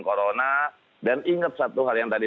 corona dan ingat satu hal yang tadi